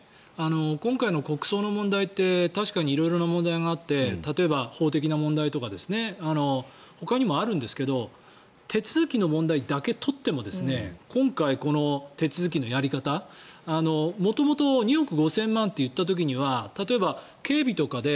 今回の国葬の問題って確かに色々な問題があって例えば法的な問題とかほかにもあるんですけど手続きの問題だけ取っても今回、この手続きのやり方元々、２億５０００万って言った時には例えば、警備とかで